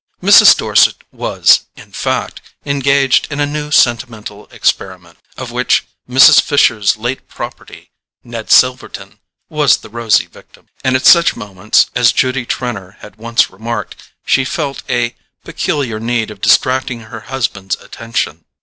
Mrs. Dorset was, in fact, engaged in a new sentimental experiment, of which Mrs. Fisher's late property, Ned Silverton, was the rosy victim; and at such moments, as Judy Trenor had once remarked, she felt a peculiar need of distracting her husband's attention.